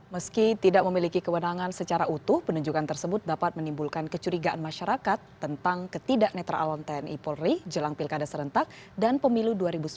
meski tidak memiliki kewenangan secara utuh penunjukan tersebut dapat menimbulkan kecurigaan masyarakat tentang ketidak netralan tni polri jelang pilkada serentak dan pemilu dua ribu sembilan belas